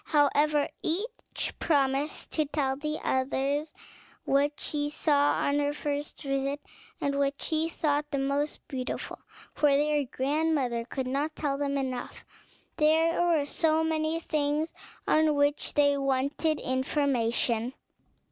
However, each promised to tell the others what she saw on her first visit, and what she thought the most beautiful; for their grandmother could not tell them enough; there were so many things on which they wanted information.